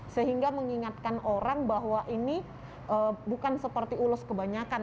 sehingga mengingatkan orang bahwa ini bukan seperti ulos kebanyakan